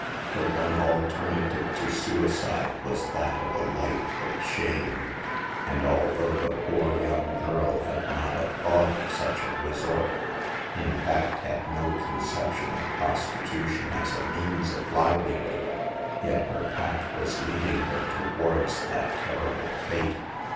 The one alternative to suicide was that of a life of 126 SAVE THE GIRLS. shame ; and although the poor young girl had not a thought of such a resort, in fact had no conception of prostitution as a means of liveli hood, yet her path Was leading her towards that terrible fate.